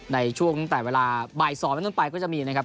ในช่วงตั้งแต่เวลาบ่าย๒เป็นต้นไปก็จะมีนะครับ